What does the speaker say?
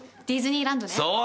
ディズニーランドね。